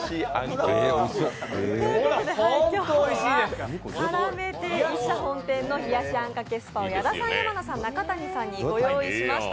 今日はからめ亭一社本店の冷やしあんかけスパを矢田さん、山名さんにご用意しました。